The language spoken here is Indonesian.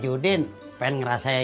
saya udah sampe doang kelets ketlule